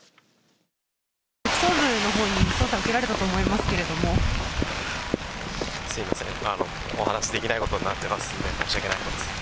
特捜部のほうに捜査受けられすみません、今、お話しできないことになってますので、申し訳ないです。